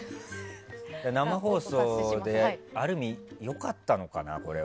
生放送である意味良かったのかな、これは。